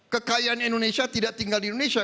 kekayaan indonesia tidak tinggal di indonesia